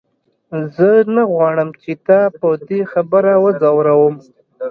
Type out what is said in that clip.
زه نه غواړم چې تا په دې خبره وځوروم.